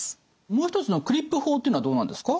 もう一つのクリップ法というのはどうなんですか？